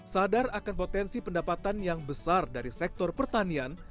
sadar akan potensi pendapatan yang besar dari sektor pertanian